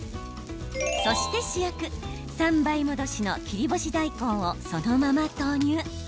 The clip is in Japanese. そして主役、３倍戻しの切り干し大根をそのまま投入。